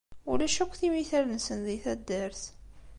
Ulac akk timital-nsen di taddart.